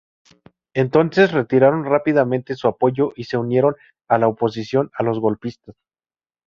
Entonces, retiraron rápidamente su apoyo y se unieron a la oposición a los golpistas.